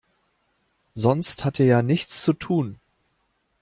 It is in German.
Sonst hat er ja nichts zu tun.